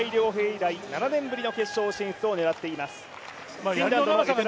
以来７年ぶりの決勝進出を狙っています